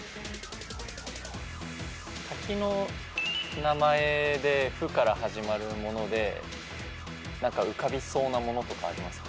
滝の名前で「ふ」から始まるもので何か浮かびそうなものとかありますか？